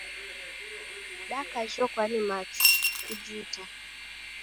Nikajhokwa ni machu, kujuta!